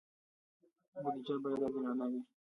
بودجه باید عادلانه وي